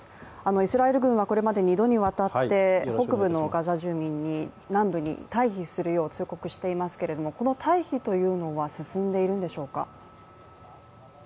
イスラエル軍はこれまで２度にわたって北部の住人に南部に退避するよう通告していますけれども、この退避というのは進んでいるんでしょうか。